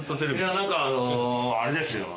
何かあのあれですよ。